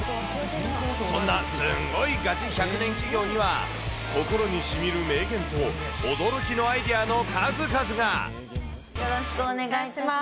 そんなすんごいガチ１００年企業には、心にしみる名言と、驚きのよろしくお願いします。